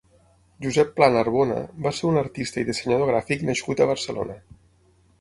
Josep Pla-Narbona va ser un artista i dissenyador gràfic nascut a Barcelona.